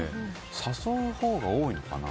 誘うほうが多いのかな。